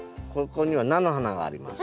ここには菜の花があります。